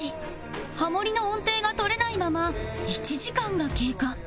ハモりの音程が取れないまま１時間が経過